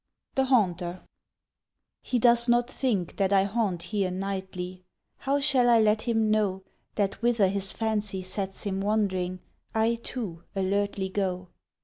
THE HAUNTER HE does not think that I haunt here nightly: How shall I let him know That whither his fancy sets him wandering I, too, alertly go?